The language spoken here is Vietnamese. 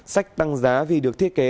sách tăng giá vì được thiết kế